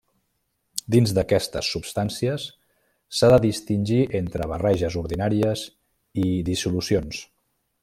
Dins d'aquestes substàncies s'ha de distingir entre barreges ordinàries i dissolucions.